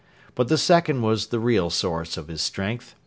But the second was the real source of his strength.